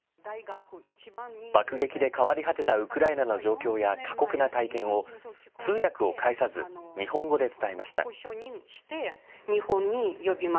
爆撃で変わり果てたウクライナの状況や、過酷な体験を、通訳を介さず、日本語で伝えました。